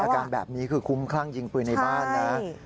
อาการแบบนี้คือคุ้มคลั่งยิงปืนในบ้านนะ